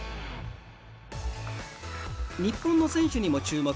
日本の選手にも注目。